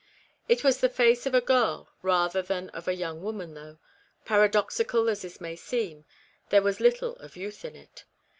It was the face of a girl rather than of a young woman, though, paradoxical as this may seem, there was little of youth in it.